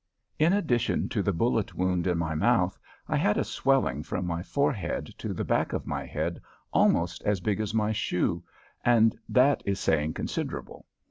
In addition to the bullet wound in my mouth, I had a swelling from my forehead to the back of my head almost as big as my shoe and that is saying considerable.